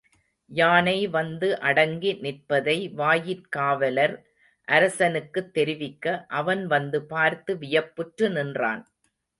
யானை வந்து அடங்கி நிற்பதை வாயிற் காவலர் அரசனுக்குத் தெரிவிக்க, அவன் வந்து பார்த்து வியப்புற்று நின்றனன்.